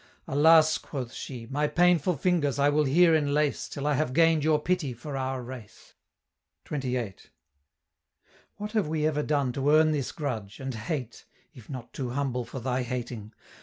"Alas!" quoth she, "My painful fingers I will here enlace Till I have gain'd your pity for our race." XXVIII. "What have we ever done to earn this grudge, And hate (if not too humble for thy hating?)